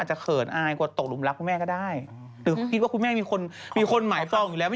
หมายถึงว่าอันนี้ไม่มโมโนนะคะ